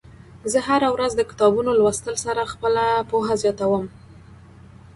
زه هره ورځ د کتابونو لوستلو سره خپله پوهه زياتوم.